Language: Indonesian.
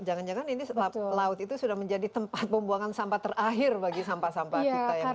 karena kan ini laut itu sudah menjadi tempat pembuangan sampah terakhir bagi sampah sampah kita yang kita produksi